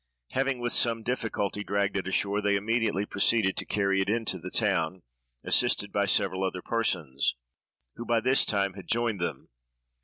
Having with some difficulty dragged it ashore, they immediately proceeded to carry it into the town, assisted by several other persons, who by this time had joined them.